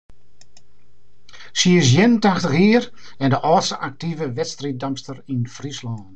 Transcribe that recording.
Sy is ien en tachtich jier en de âldste aktive wedstriiddamster yn Fryslân.